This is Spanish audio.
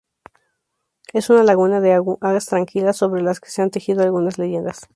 Es una laguna de aguas tranquilas sobre las que se han tejido algunas leyendas.